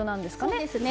そうですね。